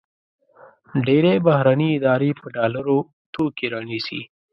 ډېری بهرني ادارې په ډالرو توکي رانیسي.